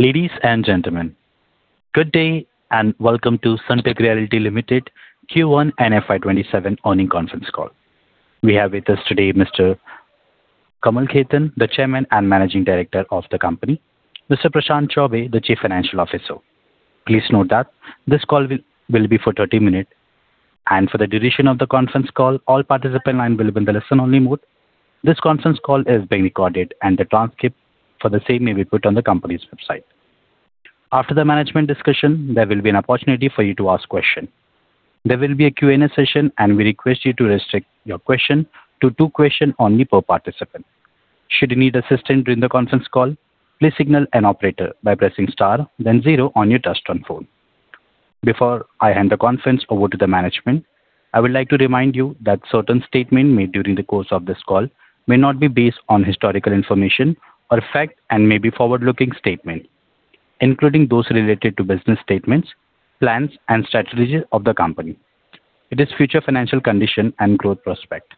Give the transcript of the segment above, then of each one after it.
Ladies and gentlemen, good day and welcome to Sunteck Realty Limited Q1 and FY 2027 Earnings Conference Call. We have with us today Mr. Kamal Khetan, the Chairman and Managing Director of the company, Mr. Prashant Chaubey, the Chief Financial Officer. Please note that this call will be for 30 minutes, and for the duration of the conference call, all participant lines will be in the listen-only mode. This conference call is being recorded and the transcript for the same may be put on the company's website. After the management discussion, there will be an opportunity for you to ask questions. There will be a Q&A session and we request you to restrict your question to two questions only per participant. Should you need assistance during the conference call, please signal an operator by pressing star then zero on your touch-tone phone. Before I hand the conference over to the management, I would like to remind you that certain statements made during the course of this call may not be based on historical information or fact and may be forward-looking statements, including those related to business statements, plans, and strategies of the company, its future financial condition, and growth prospect.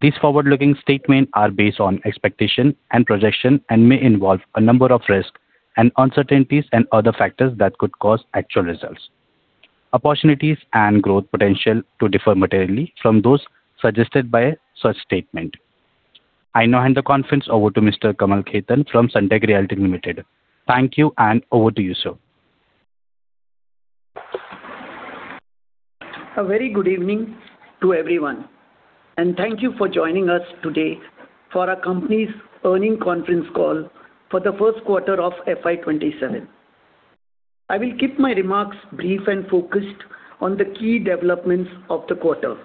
These forward-looking statements are based on expectation and projection and may involve a number of risks and uncertainties and other factors that could cause actual results, opportunities, and growth potential to differ materially from those suggested by such statement. I now hand the conference over to Mr. Kamal Khetan from Sunteck Realty Limited. Thank you and over to you, sir. A very good evening to everyone and thank you for joining us today for our company's earnings conference call for the first quarter of FY 2027. I will keep my remarks brief and focused on the key developments of the quarter.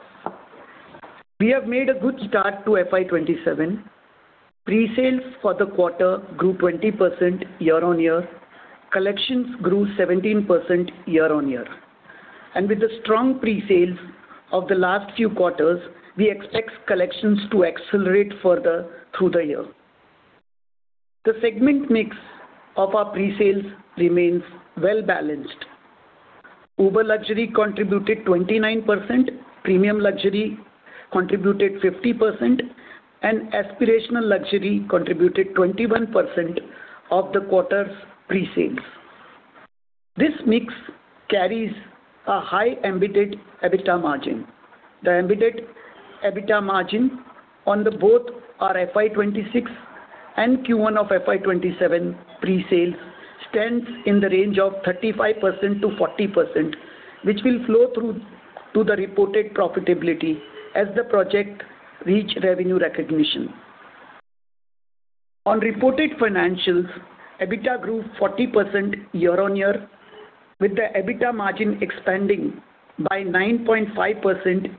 We have made a good start to FY 2027. Pre-sales for the quarter grew 20% year-on-year. Collections grew 17% year-on-year. And with the strong pre-sales of the last few quarters, we expect collections to accelerate further through the year. The segment mix of our pre-sales remains well-balanced. Uber luxury contributed 29%, premium luxury contributed 50%, and aspirational luxury contributed 21% of the quarter's pre-sales. This mix carries a high embedded EBITDA margin. The embedded EBITDA margin on both our FY 2026 and Q1 of FY 2027 pre-sales stands in the range of 35%-40%, which will flow through to the reported profitability as the project reach revenue recognition. On reported financials, EBITDA grew 40% year-on-year, with the EBITDA margin expanding by 9.5 percentage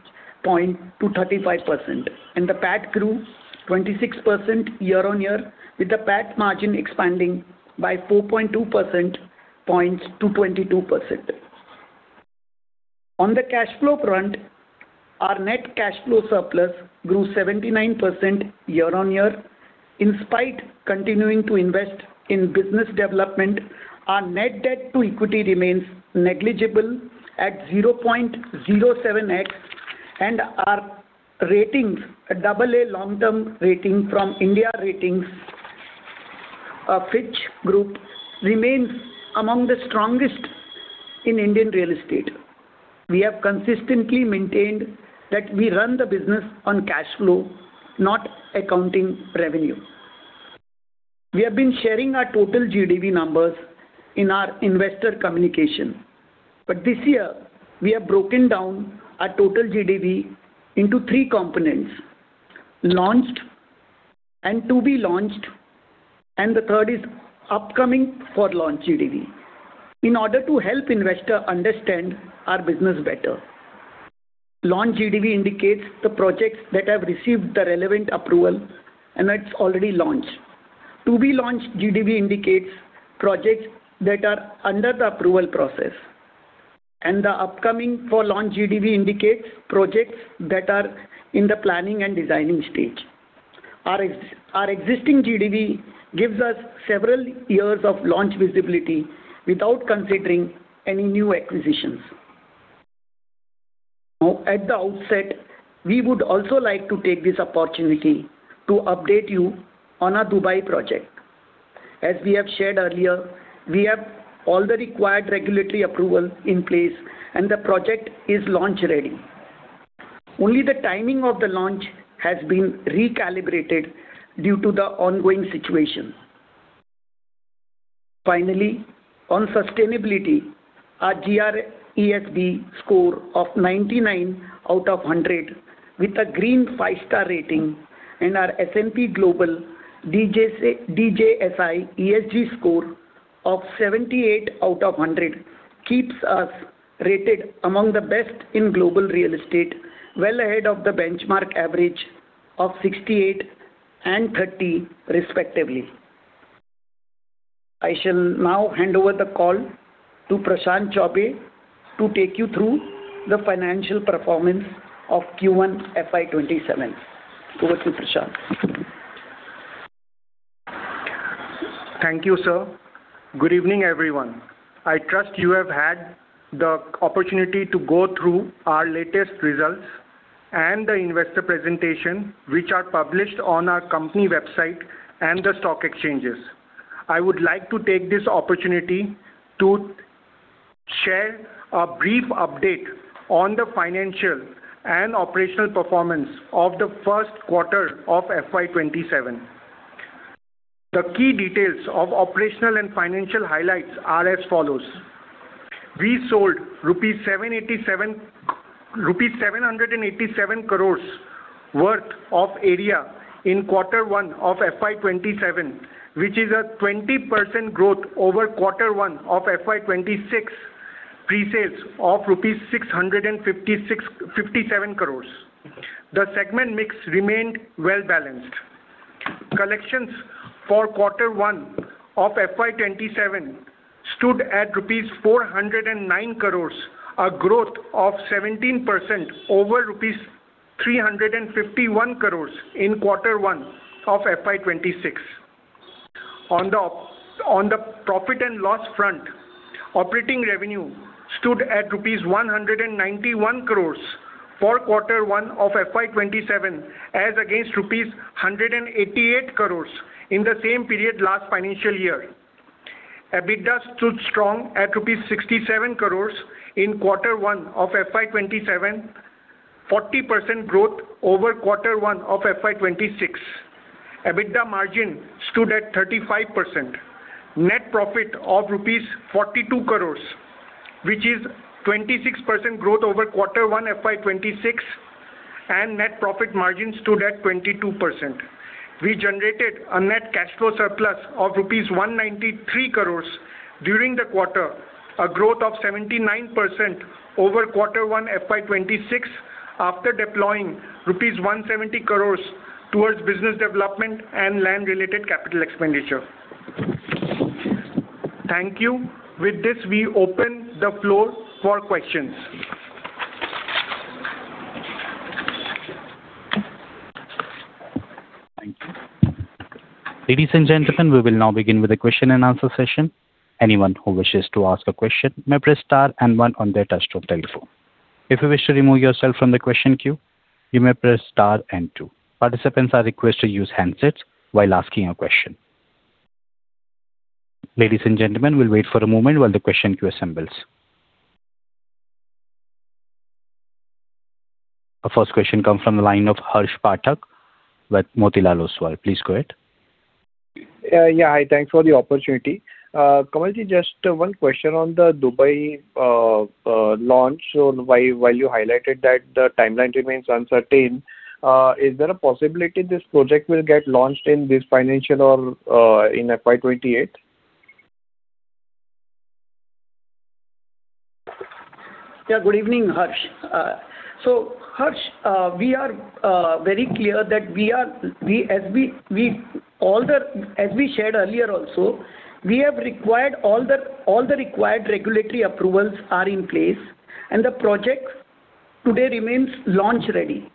points to 35%, and the PAT grew 26% year-on-year, with the PAT margin expanding by 4.2 percentage points to 22%. On the cash flow front, our net cash flow surplus grew 79% year-on-year. In spite continuing to invest in business development, our net debt to equity remains negligible at 0.07x, and our ratings, a double A long-term rating from India Ratings, a Fitch Group, remains among the strongest in Indian real estate. We have consistently maintained that we run the business on cash flow, not accounting revenue. We have been sharing our total GDV numbers in our investor communication. This year, we have broken down our total GDV into three components, launched and to be launched, and the third is upcoming for launch GDV, in order to help investor understand our business better. Launch GDV indicates the projects that have received the relevant approval and that's already launched. To be launched GDV indicates projects that are under the approval process. The upcoming for launch GDV indicates projects that are in the planning and designing stage. Our existing GDV gives us several years of launch visibility without considering any new acquisitions. At the outset, we would also like to take this opportunity to update you on our Dubai project. As we have shared earlier, we have all the required regulatory approval in place and the project is launch-ready. Only the timing of the launch has been recalibrated due to the ongoing situation. Finally, on sustainability, our GRESB score of 99 out of 100 with a green five-star rating and our S&P Global DJSI ESG score of 78 out of 100 keeps us rated among the best in global real estate, well ahead of the benchmark average of 68 and 30 respectively. I shall now hand over the call to Prashant Chaubey to take you through the financial performance of Q1 FY 2027. Over to Prashant. Thank you, sir. Good evening, everyone. I trust you have had the opportunity to go through our latest results and the investor presentation, which are published on our company website and the stock exchanges. I would like to take this opportunity to share a brief update on the financial and operational performance of the first quarter of FY 2027. The key details of operational and financial highlights are as follows. We sold rupees 787 crores worth of area in quarter one of FY 2027, which is a 20% growth over quarter one of FY 2026 pre-sales of rupees 657 crores. The segment mix remained well-balanced. Collections for quarter one of FY 2027 stood at rupees 409 crores, a growth of 17% over rupees 351 crores in quarter one of FY 2026. On the profit and loss front, operating revenue stood at rupees 191 crores for quarter one of FY 2027, as against rupees 188 crores in the same period last financial year. EBITDA stood strong at 67 crores rupees in quarter one of FY 2027, 40% growth over quarter one of FY 2026. EBITDA margin stood at 35%. Net profit of rupees 42 crores, which is 26% growth over quarter one FY 2026, and net profit margin stood at 22%. We generated a net cash flow surplus of rupees 193 crores during the quarter, a growth of 79% over quarter one FY 2026, after deploying rupees 170 crores towards business development and land-related capital expenditure. Thank you. With this, we open the floor for questions. Thank you. Ladies and gentlemen, we will now begin with the question and answer session. Anyone who wishes to ask a question may press star and one on their touch-tone telephone. If you wish to remove yourself from the question queue, you may press star and two. Participants are requested to use handsets while asking a question. Ladies and gentlemen, we will wait for a moment while the question queue assembles. Our first question comes from the line of Harsh Pathak with Motilal Oswal. Please go ahead. Yeah. Hi. Thanks for the opportunity. Kamal, just one question on the Dubai launch. While you highlighted that the timeline remains uncertain, is there a possibility this project will get launched in this financial or in FY 2028? Yeah. Good evening, Harsh. Harsh, we are very clear that as we shared earlier also, all the required regulatory approvals are in place. The project today remains launch-ready.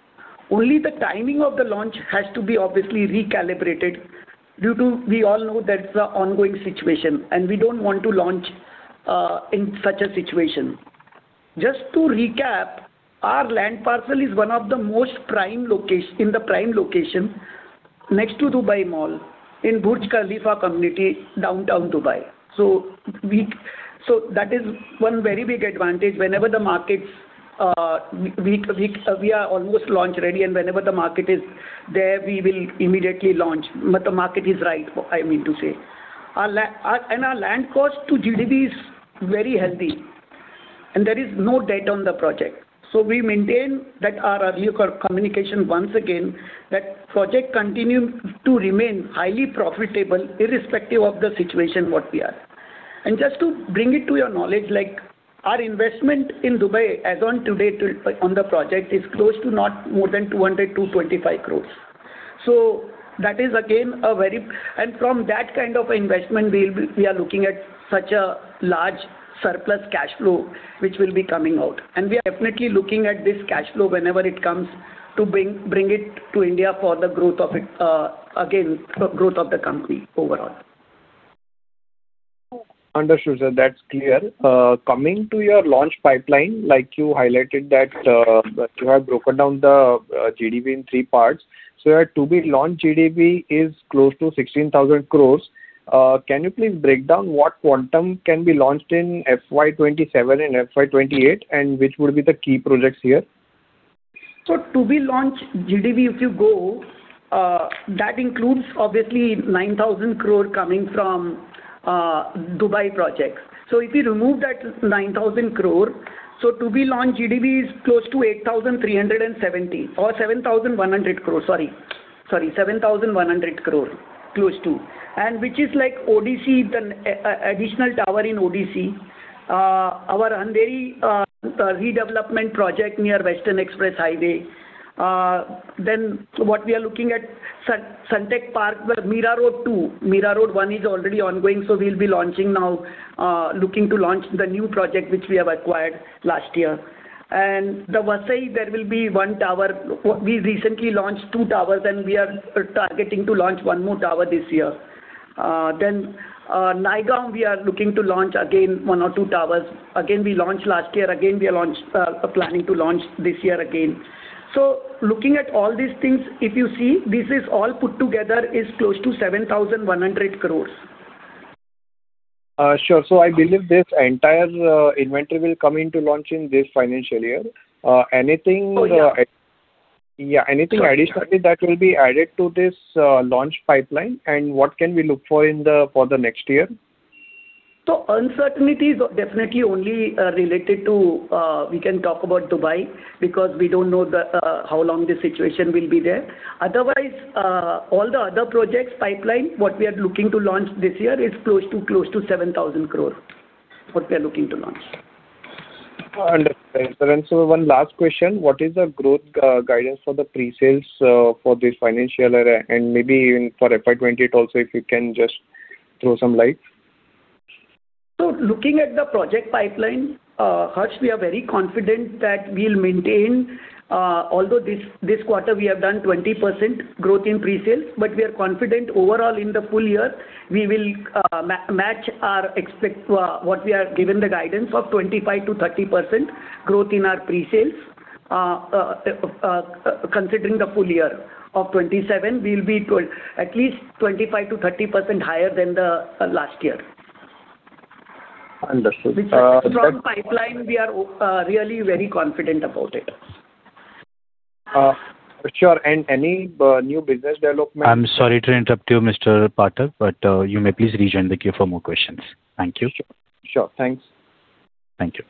Only the timing of the launch has to be obviously recalibrated due to, we all know that's the ongoing situation. We don't want to launch in such a situation. Just to recap, our land parcel is one of the most in the prime location next to Dubai Mall in Burj Khalifa community, Downtown Dubai. That is one very big advantage. We are almost launch-ready. Whenever the market is there, we will immediately launch, when the market is right, I mean to say. Our land cost to GDV is very healthy. There is no debt on the project. We maintain that our communication once again, that project continues to remain highly profitable irrespective of the situation what we are. Just to bring it to your knowledge, our investment in Dubai as on today on the project is close to not more than 200 crore, INR 225 crore. From that kind of investment, we are looking at such a large surplus cash flow, which will be coming out. We are definitely looking at this cash flow whenever it comes to bring it to India for, again, growth of the company overall. Understood, sir. That's clear. Coming to your launch pipeline, you highlighted that you have broken down the GDV in three parts. Your to-be-launched GDV is close to 16,000 crore. Can you please break down what quantum can be launched in FY 2027 and FY 2028, and which would be the key projects here? To-be-launched GDV, if you go, that includes obviously 9,000 crore coming from Dubai projects. If you remove that 9,000 crore, to-be-launched GDV is close to 8,370 crore or 7,100 crore, sorry. 7,100 crore, close to. Which is like ODC, the additional tower in ODC. Our Andheri redevelopment project near Western Express Highway. What we are looking at Sunteck Park, Mira Road Two. Mira Road One is already ongoing, we will be looking to launch the new project which we have acquired last year. The Vasai, there will be one tower. We recently launched two towers, and we are targeting to launch one more tower this year. Naigaon, we are looking to launch again one or two towers. Again, we launched last year, again, we are planning to launch this year again. Looking at all these things, if you see, this is all put together is close to 7,100 crore. Sure. I believe this entire inventory will come into launch in this financial year. Yeah. Yeah. Anything additionally that will be added to this launch pipeline, and what can we look for the next year? Uncertainties are definitely only related to we can talk about Dubai, because we don't know how long the situation will be there. Otherwise, all the other projects pipeline, what we are looking to launch this year is close to 7,000 crore, what we are looking to launch. Understood. One last question. What is the growth guidance for the pre-sales for this financial year and maybe even for FY 2028 also, if you can just throw some light? Looking at the project pipeline, Harsh, we are very confident that we'll maintain. Although this quarter we have done 20% growth in pre-sales, but we are confident overall in the full year, we will match what we are given the guidance of 25%-30% growth in our pre-sales. Considering the full year of 2027, we'll be at least 25%-30% higher than the last year. Understood. Which is from pipeline, we are really very confident about it. Sure. Any new business development? I'm sorry to interrupt you, Mr. Pathak, but you may please rejoin the queue for more questions. Thank you. Sure. Thanks. Thank you.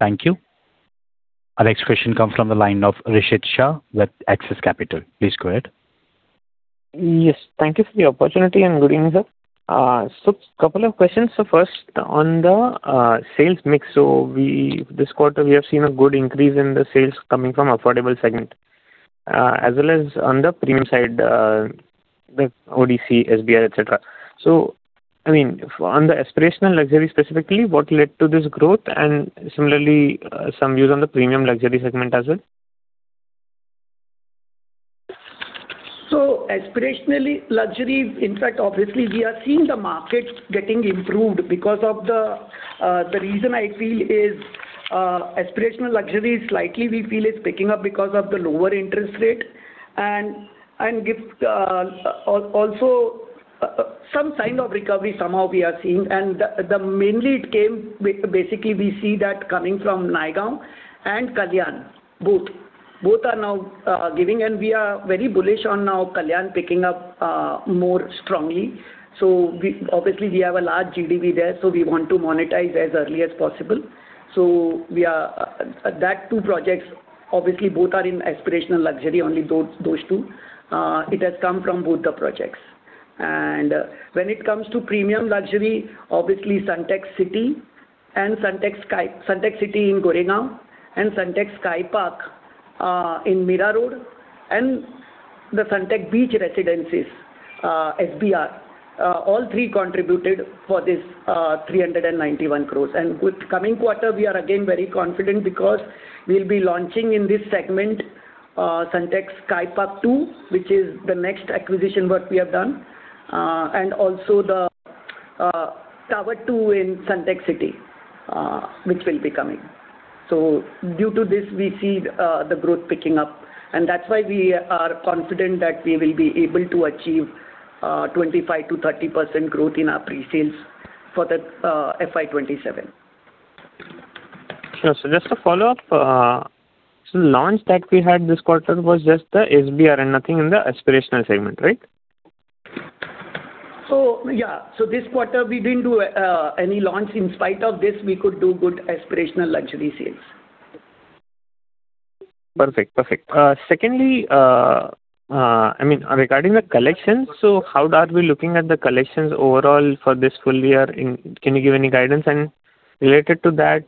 Thank you. Our next question comes from the line of Rishith Shah with Axis Capital. Please go ahead. Yes. Thank you for the opportunity, and good evening, sir. Couple of questions. First, on the sales mix. This quarter, we have seen a good increase in the sales coming from affordable segment, as well as on the premium side, like ODC, SBR, et cetera. On the aspirational luxury specifically, what led to this growth? And similarly, some views on the premium luxury segment as well. Aspirationally luxury, in fact, obviously, we are seeing the market getting improved because of the reason I feel is aspirational luxury, slightly we feel is picking up because of the lower interest rate. Also some sign of recovery somehow we are seeing. Mainly it came, basically we see that coming from Naigaon and Kalyan, both. Both are now giving, and we are very bullish on now Kalyan picking up more strongly. Obviously we have a large GDV there, so we want to monetize as early as possible. That two projects, obviously both are in aspirational luxury, only those two. It has come from both the projects. When it comes to premium luxury, obviously Sunteck City in Goregaon and Sunteck Sky Park in Mira Road, and the Sunteck Beach Residences, SBR. All three contributed for this 391 crores. With coming quarter, we are again very confident because we will be launching in this segment Sunteck Sky Park 2, which is the next acquisition what we have done. Also the Tower 2 in Sunteck City, which will be coming. Due to this, we see the growth picking up. That's why we are confident that we will be able to achieve 25%-30% growth in our pre-sales for the FY 2027. Sure. Just a follow-up. Launch that we had this quarter was just the SBR, and nothing in the aspirational segment, right? Yeah. This quarter, we didn't do any launch. In spite of this, we could do good aspirational luxury sales. Perfect. Secondly, regarding the collections, how are we looking at the collections overall for this full year? Can you give any guidance? Related to that,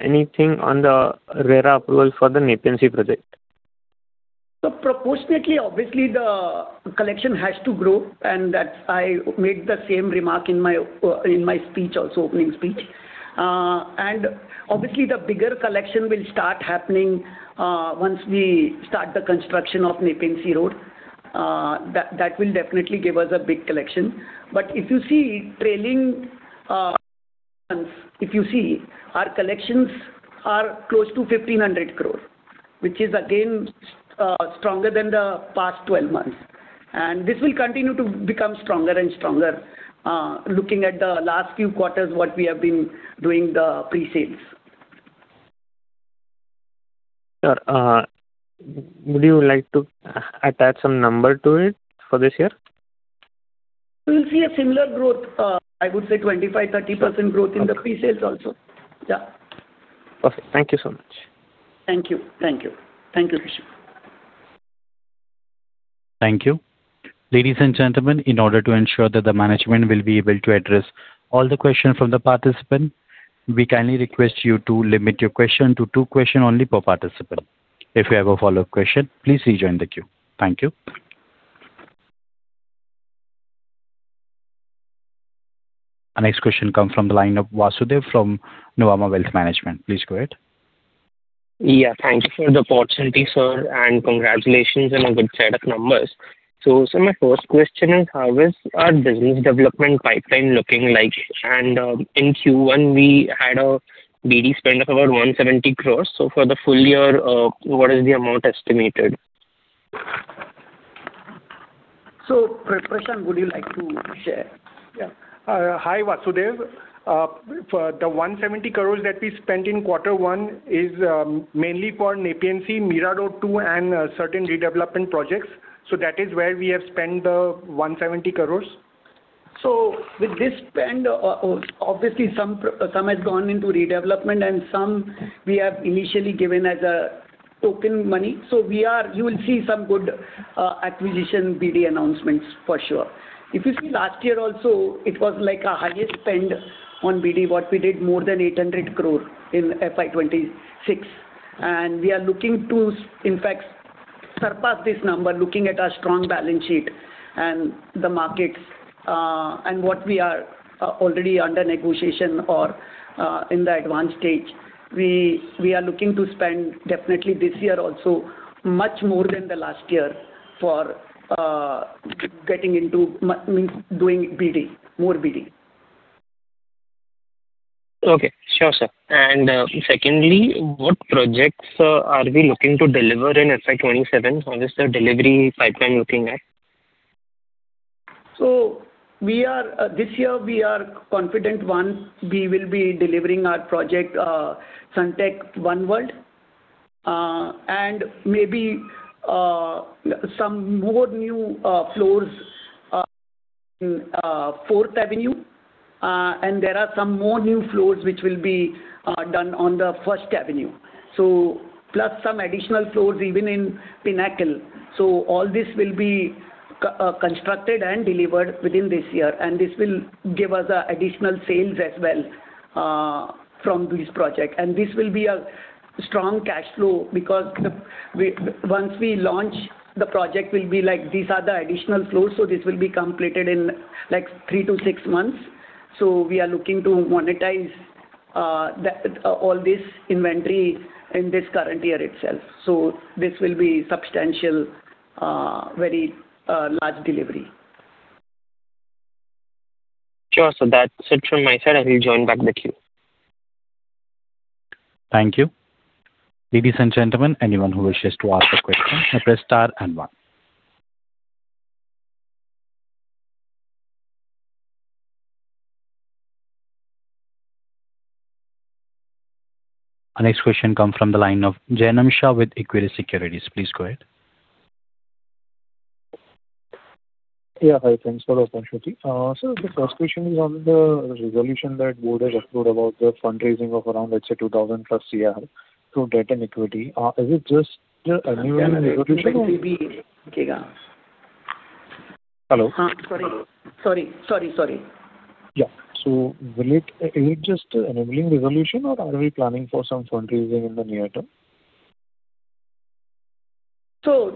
anything on the RERA approval for the Nepean Sea project? Proportionately, obviously, the collection has to grow, that I made the same remark in my opening speech. Obviously the bigger collection will start happening once we start the construction of Nepean Sea Road. That will definitely give us a big collection. If you see trailing if you see, our collections are close to 1,500 crore, which is again stronger than the past 12 months. This will continue to become stronger and stronger, looking at the last few quarters what we have been doing the pre-sales. Sure. Would you like to attach some number to it for this year? You will see a similar growth. I would say 25%-30% growth in the pre-sales also. Perfect. Thank you so much. Thank you. Thank you, Rishith. Thank you. Ladies and gentlemen, in order to ensure that the management will be able to address all the questions from the participant, we kindly request you to limit your question to two question only per participant. If you have a follow-up question, please rejoin the queue. Thank you. Our next question comes from the line of Vasudev from Nuvama Wealth Management. Please go ahead. Yeah. Thank you for the opportunity, sir, and congratulations on a good set of numbers. My first question is, how is our business development pipeline looking like? In Q1, we had a BD spend of about 170 crore. For the full year, what is the amount estimated? Prashant, would you like to share? Yeah. Hi, Vasudev. The 170 crore that we spent in quarter one is mainly for Nepean Sea, Mira Road 2 and certain redevelopment projects. That is where we have spent the 170 crore. With this spend, obviously some has gone into redevelopment and some we have initially given as a token money. You will see some good acquisition BD announcements for sure. If you see last year also, it was like our highest spend on BD what we did more than 800 crore in FY 2026. We are looking to, in fact, surpass this number, looking at our strong balance sheet and the markets, and what we are already under negotiation or in the advanced stage. We are looking to spend definitely this year also much more than the last year for getting into doing more BD. Okay. Sure, sir. Secondly, what projects are we looking to deliver in FY 2027? How is the delivery pipeline looking like? This year we are confident, one, we will be delivering our project, Sunteck OneWorld, maybe some more new floors in 4th Avenue. There are some more new floors which will be done on the 1st Avenue. Plus some additional floors even in Pinnacle. All this will be constructed and delivered within this year, and this will give us additional sales as well from this project. This will be a strong cash flow because once we launch, the project will be like these are the additional floors, this will be completed in three-six months. We are looking to monetize all this inventory in this current year itself. This will be substantial, very large delivery. Sure. That's it from my side. I will join back the queue. Thank you. Ladies and gentlemen, anyone who wishes to ask a question, press star and one. Our next question comes from the line of Jainam Shah with Equirus Securities. Please go ahead. Yeah. Hi. Thanks for the opportunity. The first question is on the resolution that board has approved about the fundraising of around, let's say, 2,000+ crore to debt and equity. Is it just enabling resolution or One second. It will be bigger. Hello? Sorry. Yeah. Is it just enabling resolution or are we planning for some fundraising in the near term?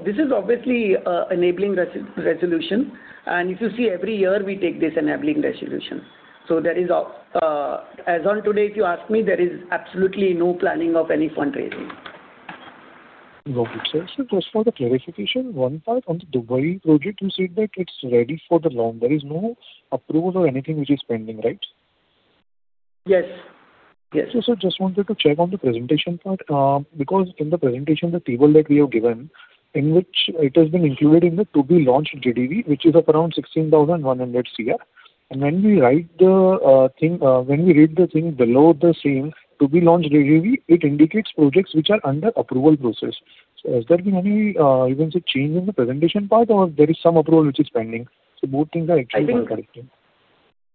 This is obviously enabling resolution. If you see every year, we take this enabling resolution. As on today, if you ask me, there is absolutely no planning of any fundraising. Got it, sir. Just for the clarification, one part on the Dubai project, you said that it's ready for launch. There is no approval or anything which is pending, right? Yes. Sir, just wanted to check on the presentation part. In the presentation, the table that we have given, in which it has been included in the to-be-launched GDV, which is of around 16,100 crore. When we read the thing below the same to-be-launched GDV, it indicates projects which are under approval process. Has there been any, you can say, change in the presentation part or there is some approval which is pending? Both things are actually incorrect.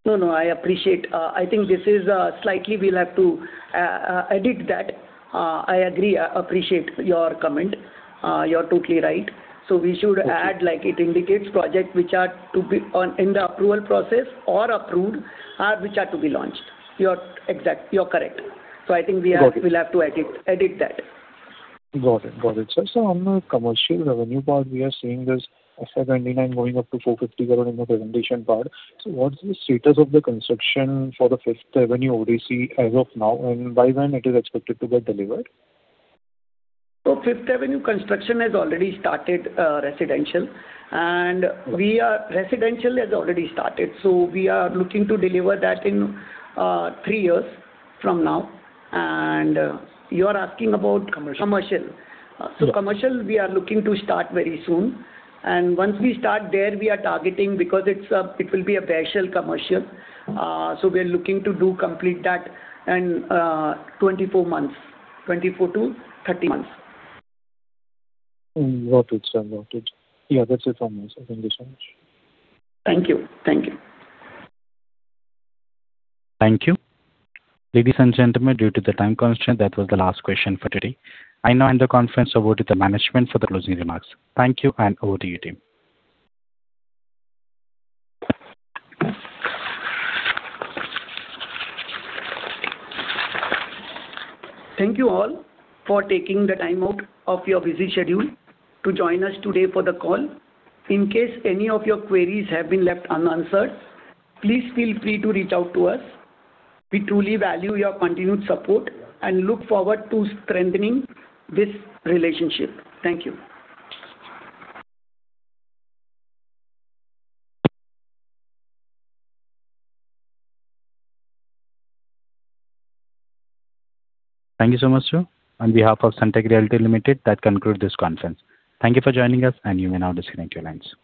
No, I appreciate. I think this is slightly we'll have to edit that. I agree. I appreciate your comment. You're totally right. We should add like it indicates project which are in the approval process or approved, which are to be launched. You're correct. I think we'll have to edit that. Got it. On the commercial revenue part, we are seeing this FY 2029 going up to 450 crore in the presentation part. What's the status of the construction for the 5th Avenue ODC as of now and by when it is expected to get delivered? 5th Avenue construction has already started, residential. Residential has already started. We are looking to deliver that in three years from now. You are asking about? Commercial. Commercial. Commercial, we are looking to start very soon. Once we start there, we are targeting because it will be a partial commercial. We're looking to do complete that in 24 months, 24-30 months. Got it, sir. Yeah, that's it from me, sir. Thank you so much. Thank you. Thank you. Ladies and gentlemen, due to the time constraint, that was the last question for today. I now hand the conference over to the management for the closing remarks. Thank you and over to you, team. Thank you all for taking the time out of your busy schedule to join us today for the call. In case any of your queries have been left unanswered, please feel free to reach out to us. We truly value your continued support and look forward to strengthening this relationship. Thank you. Thank you so much, sir. On behalf of Sunteck Realty Limited, that concludes this conference. Thank you for joining us, and you may now disconnect your lines.